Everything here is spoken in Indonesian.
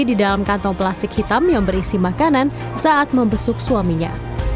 di dalam kantong plastik hitam yang berisi makanan saat membesuk suaminya